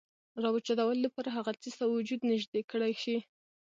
راوچتولو د پاره هغه څيز ته وجود نزدې کړے شي ،